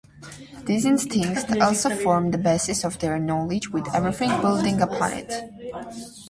These instincts also form the basis of their knowledge with everything building upon it.